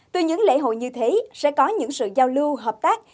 từ những lễ hội như thế sẽ có những sự giao lưu hợp tác